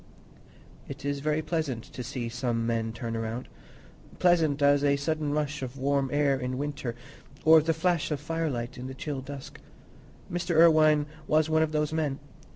It is very pleasant to see some men turn round; pleasant as a sudden rush of warm air in winter, or the flash of firelight in the chill dusk. Mr. Irwine was one of those men.